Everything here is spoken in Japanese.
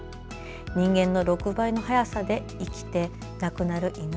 人間の６倍の早さで生きて亡くなる犬。